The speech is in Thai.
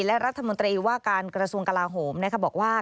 และรัฐมนตรีว่าการกระทรวงกลาโหมบอกว่า